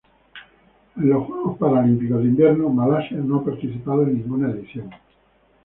En los Juegos Paralímpicos de Invierno Malasia no ha participado en ninguna edición.